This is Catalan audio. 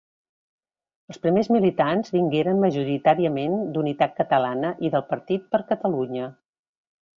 Els primers militants vingueren majoritàriament d'Unitat Catalana i del Partit per Catalunya.